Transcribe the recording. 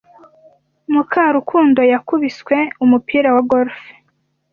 Mukarukundo yakubiswe umupira wa golf.